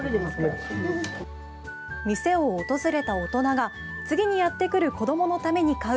店を訪れた大人が次にやってくる子どものために買う